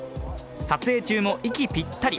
撮影中も息ぴったり。